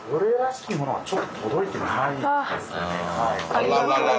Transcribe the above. あらららら。